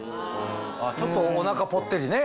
ちょっとお腹ぽってりね。